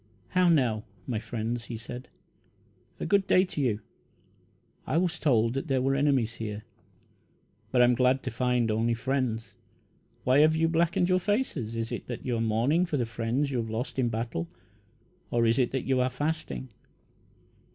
"How now, my friends," he said. "A good day to you. I was told that there were enemies here, but I am glad to find only friends. Why have you blackened your faces? Is it that you are mourning for the friends you have lost in battle? Or is it that you are fasting?